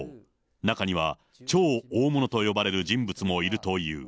中には超大物と呼ばれる人物もいるという。